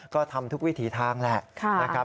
ก็ทำทุกวิถีทางแหละ